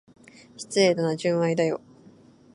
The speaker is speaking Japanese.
失礼だな、純愛だよ。